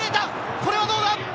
これはどうだ？